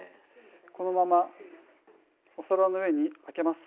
このままお皿の上にあけます。